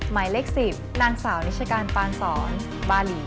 หมายเลข๑๐นางสาวนิชการปานสอนบาหลี